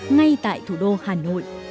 ngay tại thủ đô hà nội